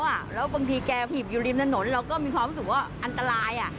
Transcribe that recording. พอแกถีบกี่อยู่ริมถนนเราก็มีความรู้สึกว่าอันตราย